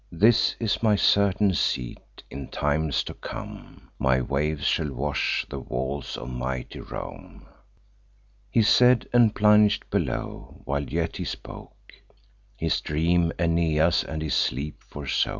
This is my certain seat. In times to come, My waves shall wash the walls of mighty Rome." He said, and plung'd below. While yet he spoke, His dream Aeneas and his sleep forsook.